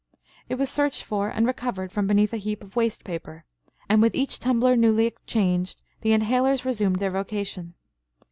It was searched for and recovered from beneath a heap of waste paper. And with each tumbler newly changed, the inhalers resumed their vocation.